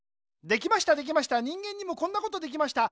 できましたできました人間にもこんなことできました。